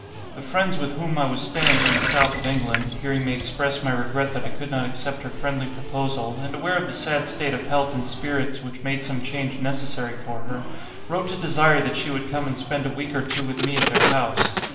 The friends with whom I was staying in the South of England (hearing me express my regret that I could not accept her friendly proposal, and aware of the sad state of health and spirits which made some change necessary for her) wrote to desire that she would come and spend a week or two with me at their house.